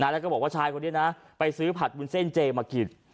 แล้วก็บอกว่าชายคนนี้นะไปซื้อผัดวุ้นเส้นเจมากิน